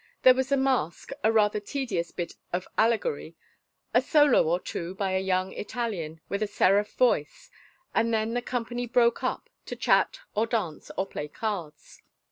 There was a mask, a rather tedious bit of allegory, a solo or two by a young Italian with a seraph voice and then the company broke up to chat or dance or play cards.